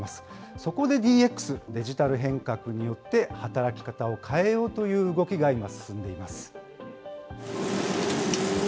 そこでＤＸ・デジタル変革によって働き方を変えようという動きが今、進んでいます。